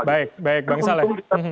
baik bang saleh